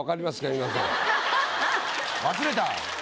忘れた！